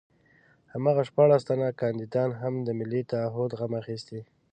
هماغه شپاړس تنه کاندیدان هم د ملي تعهُد غم اخیستي.